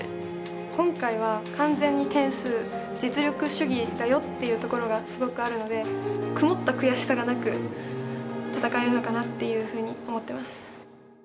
今回は完全に点数実力主義だよっていうところがすごくあるので曇った悔しさがなく戦えるのかなっていうふうに思ってます。